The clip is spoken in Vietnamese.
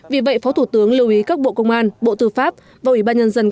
vì vậy phó thủ tướng lưu ý các bộ công an bộ tư pháp và ủy ban nhân dân